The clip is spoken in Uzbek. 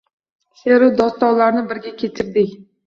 She’ru dostonlarni birga kechirdik